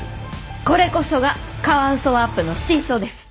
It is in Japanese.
これこそがカワウソワープの真相です。